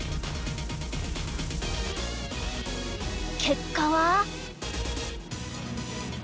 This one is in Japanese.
結果は？